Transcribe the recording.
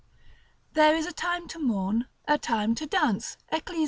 There is a time to mourn, a time to dance, Eccles.